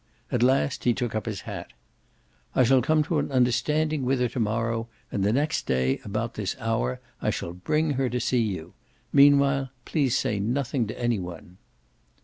At last he took up his hat. "I shall come to an understanding with her to morrow, and the next day, about this hour, I shall bring her to see you. Meanwhile please say nothing to any one."